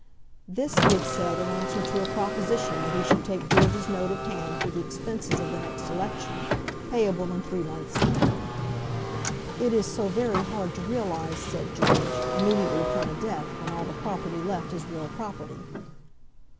This he had said in answer to a proposition that he should take George's note of hand for the expenses of the next election, payable in three months' time. "It is so very hard to realize," said George, "immediately upon a death, when all the property left is real property."